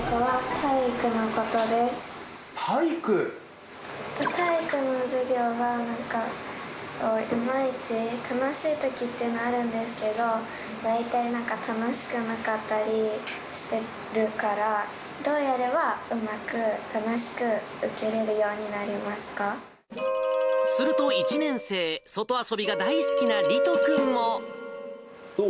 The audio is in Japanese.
体育の授業がなんか今いち、楽しいときっていうのはあるんですけど、大体、なんか楽しくなかったりしてるから、どうやればうまく、楽しく受けれるようになりすると１年生、どう？